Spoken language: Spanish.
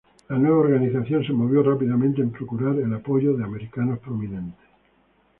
La nueva organización se movió rápidamente en procurar el apoyo de americanos prominentes.